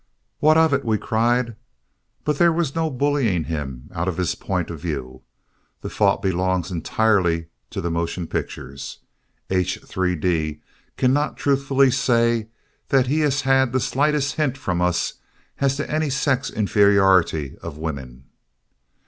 "What of it?" we cried, but there was no bullying him out of his point of view. The fault belongs entirely to the motion pictures. H. 3d cannot truthfully say that he has had the slightest hint from us as to any sex inferiority of women.